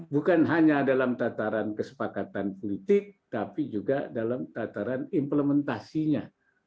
bukan hanya dalam tataran kesepakatan politik tapi juga dalam tataran implementasinya